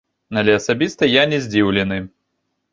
Але асабіста я не здзіўлены.